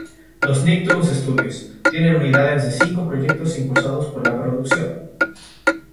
Los Nicktoons estudios, tienen unidades de cinco proyectos impulsados por la producción.